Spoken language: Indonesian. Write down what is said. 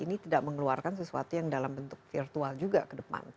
ini tidak mengeluarkan sesuatu yang dalam bentuk virtual juga ke depan